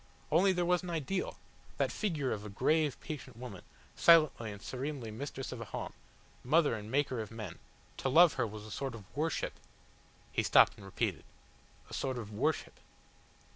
Only there was an ideal that figure of a grave, patient woman, silently and serenely mistress of a home, mother and maker of men to love her was a sort of worship " He stopped and repeated, "A sort of worship."